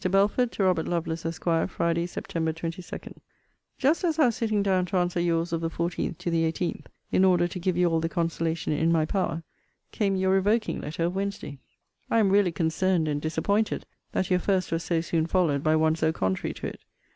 BELFORD, TO ROBERT LOVELACE, ESQ. FRIDAY, SEPT. 22. Just as I was sitting down to answer your's of the 14th to the 18th, in order to give you all the consolation in my power, came your revoking letter of Wednesday. I am really concerned and disappointed that your first was so soon followed by one so contrary to it.